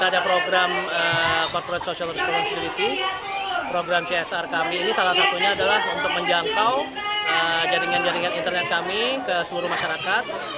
ada program corporate social responsibility program csr kami ini salah satunya adalah untuk menjangkau jaringan jaringan internet kami ke seluruh masyarakat